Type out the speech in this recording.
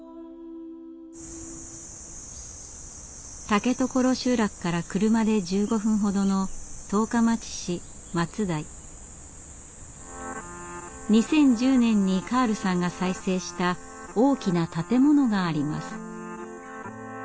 竹所集落から車で１５分ほどの２０１０年にカールさんが再生した大きな建物があります。